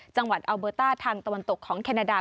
จังหวัดอัลเบอร์ต้าทางตะวันตกของแคนาดา